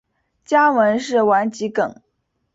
家纹是丸桔梗。